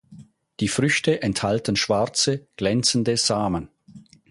Die Früchte enthalten schwarze, glänzende Samen.